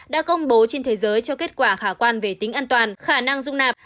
đã công bố trên thế giới cho kết quả khả quan về tính an toàn khả năng dung nạp